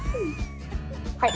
はい。